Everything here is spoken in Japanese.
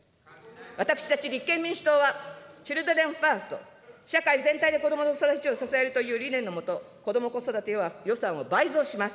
私たち立憲民主党は、チルドレン・ファースト、社会全体で子どもの育ちを支えるという理念のもと、子ども子育て予算を倍増します。